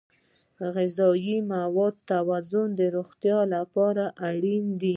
د غذایي موادو توازن د روغتیا لپاره اړین دی.